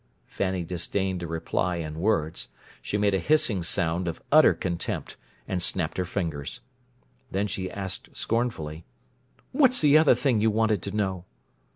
Fanny disdained a reply in words. She made a hissing sound of utter contempt and snapped her fingers. Then she asked scornfully: "What's the other thing you wanted to know?"